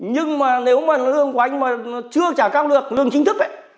nhưng mà nếu mà lương của anh mà chưa trả cao được lương chính thức ấy